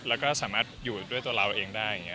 และก็สามารถอยู่ด้วยตัวเราเองได้